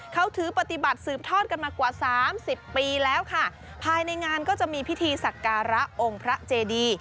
เขาถือปฏิบัติสืบทอดกันมากว่าสามสิบปีแล้วค่ะภายในงานก็จะมีพิธีสักการะองค์พระเจดี